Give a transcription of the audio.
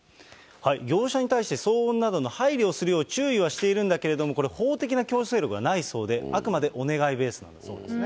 業者に対して、騒音などの配慮をするよう注意はしているんだけれども、これ、法的な強制力はないそうで、あくまでお願いベースなんだそうですね。